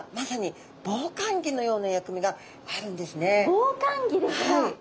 防寒着ですか。